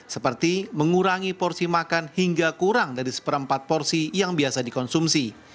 seperti mengurangi porsi makan hingga kurang dari seperempat porsi yang biasa dikonsumsi